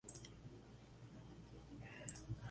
El suelo es de mármol, a cuadros en perspectiva.